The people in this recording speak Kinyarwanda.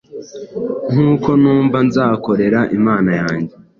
nkuko numva, nzakorera imana yanjye